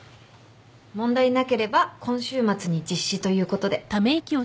問題なければ今週末に実施ということで。